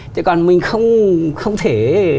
chứ còn mình không thể